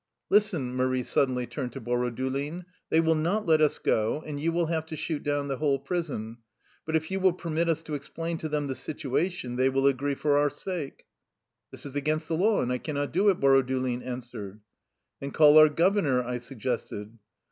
"Listen," Marie suddenly turned to Boro dulin, " they will not let us go, and you will have to shoot down the whole prison. But if you will permit us to explain to them the situa tion they will agree for our sake." " This is against the law, and I cannot do it," Borodulin answered. " Then call our governor," I suggested.